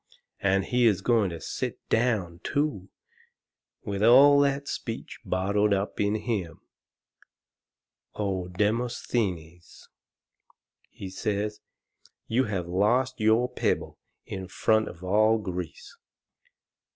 And he is going to sit down, too, with all that speech bottled up in him! O Demosthenes!" he says, "you have lost your pebble in front of all Greece."